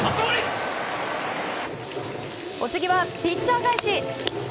お次は、ピッチャー返し。